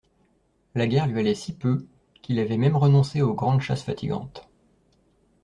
La guerre lui allait si peu, qu'il avait même renoncé aux grandes chasses fatigantes.